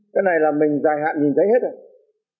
cái này là mình dài hạn nhìn thấy hết rồi